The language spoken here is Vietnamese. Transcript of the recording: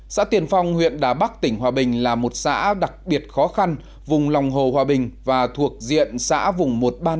xã tiền phong huyện đà bắc tỉnh hòa bình là một xã đặc biệt khó khăn vùng lòng hồ hòa bình và thuộc diện xã vùng một ba năm